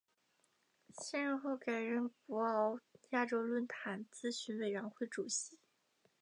卸任后改任博鳌亚洲论坛咨询委员会主席。